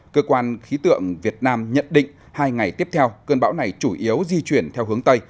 cơ quan khí tượng việt nam nhận định hai ngày tiếp theo cơn bão này chủ yếu di chuyển theo hướng tây